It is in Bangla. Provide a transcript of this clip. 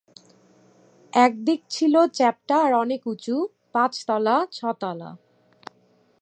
একদিক ছিল চেপ্টা আর অনেক উঁচু, পাঁচ-তলা ছ-তলা।